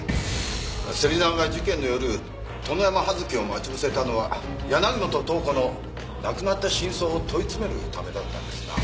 芹沢が事件の夜殿山葉月を待ち伏せたのは柳本塔子の亡くなった真相を問い詰めるためだったんですな。